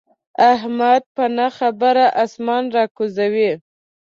احمد په نه خبره اسمان را کوزوي.